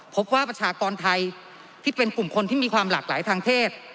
ประชากรไทยที่เป็นกลุ่มคนที่มีความหลากหลายทางเพศ